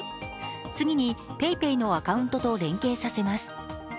次にＰａｙＰａｙのアカウントと連携させます。